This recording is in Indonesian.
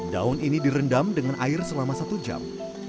daun ini direndam dengan air selama satu jam